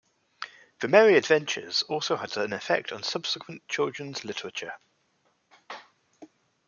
"The Merry Adventures" also had an effect on subsequent children's literature.